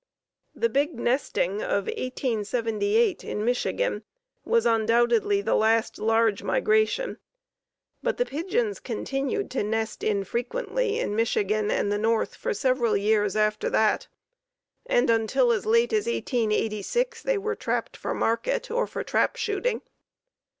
The big "nesting" of 1878 in Michigan was undoubtedly the last large migration, but the pigeons continued to nest infrequently in Michigan and the North for several years after that, and until as late as 1886 they were trapped for market or for trap shooting.